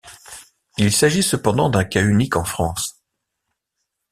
Il s'agit cependant d'un cas unique en France.